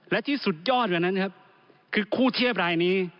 และที่สุดยอดเหมือนนั้นคือคู่เทียบรายนี้